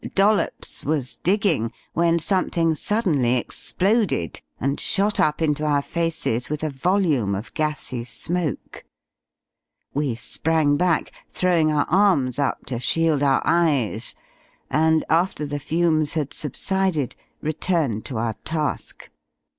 Dollops was digging, when something suddenly exploded, and shot up into our faces with a volume of gassy smoke. We sprang back, throwing our arms up to shield our eyes, and after the fumes had subsided returned to our task.